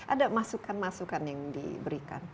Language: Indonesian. ada masukan masukan yang diberikan